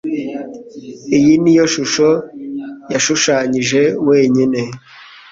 Iyi niyo shusho yashushanyije wenyine?